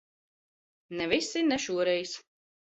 Ne visi. Ne šoreiz.